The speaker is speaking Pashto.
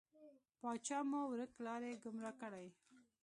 پاچا مو ورک لاری، ګمرا کړی.